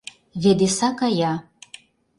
Ведеса кая.